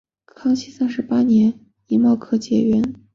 康熙三十八年己卯科解元。